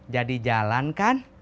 jadi jalan kan